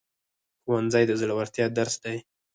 ښوونځی د زړورتیا درس دی